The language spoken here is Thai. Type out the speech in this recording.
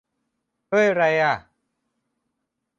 เฮ้ย ไรอะ